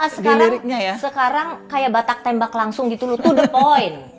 sekarang kayak batak tembak langsung gitu loh tuh the point